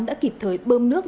đã kịp thời bơm nước